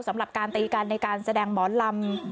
สำหรับการตีกันในการแสดงหมอลำ